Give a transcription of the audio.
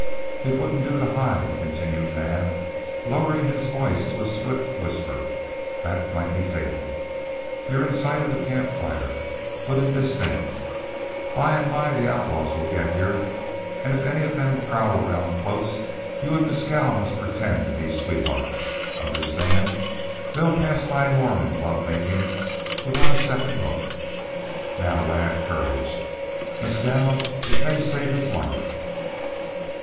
"It wouldn't do to hide," continued Naab, lowering his voice to a swift whisper, "that might be fatal. You're in sight from the camp fire, but indistinct. By and by the outlaws will get here, and if any of them prowl around close, you and Mescal must pretend to be sweethearts. Understand? They'll pass by Mormon love making without a second look. Now, lad, courage... Mescal, it may save his life."